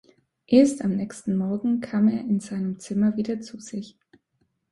Erst am nächsten Morgen kam er in seinem Zimmer wieder zu sich.